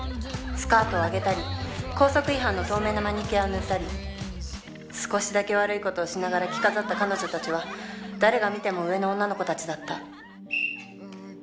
スカートをあげたり校則違反の透明のマニキュアを塗ったり少しだけ悪いことをしながら着飾った彼女たちは誰が見ても“上”の女の子たちだった。